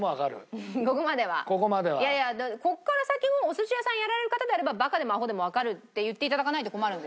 いやいやここから先をお寿司屋さんやられる方であれば「バカでもアホでもわかる」って言って頂かないと困るんですよ。